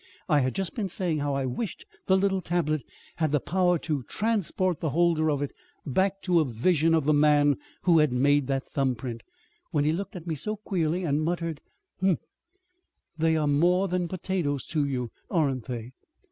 I had just been saying how I wished the little tablet had the power to transport the holder of it back to a vision of the man who had made that thumb print, when he looked at me so queerly, and muttered: 'Humph! they are more than potatoes to you, aren't they?'